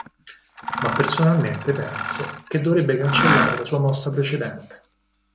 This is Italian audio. Ma personalmente penso che dovrebbe cancellare la sua mossa precedente.